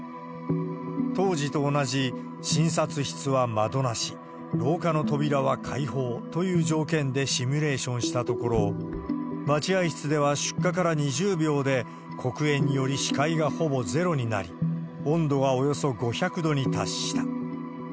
当時と同じ診察室は窓なし、防火の扉は開放という条件でシミュレーションしたところ、待合室では出火から２０秒で、黒煙により視界がほぼゼロになり、温度はおよそ５００度に達した。